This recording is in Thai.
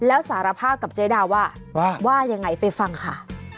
แล้วสารภาพกับเจ๊ดาว่าว่ายังไงไปฟังค่ะ